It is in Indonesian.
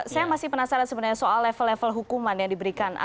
saya masih penasaran sebenarnya soal level level hukuman yang diberikan